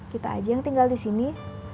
kita aja yang tinggal disini